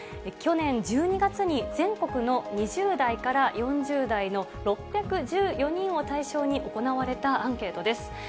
去年１２月に全国の２０代から４０代の、６１４人を対象に行われたアンケートです。